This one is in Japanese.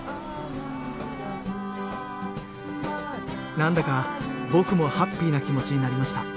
何だか僕もハッピーな気持ちになりました。